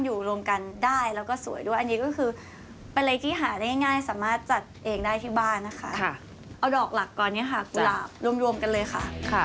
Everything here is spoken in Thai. หรืออันดีก็คือเป็นอะไรที่หาได้ง่ายสามารถจัดเองได้ที่บ้านนะคะค่ะเอาดอกหลักก่อนเนี่ยค่ะกุหลาบรวมกันเลยค่ะค่ะ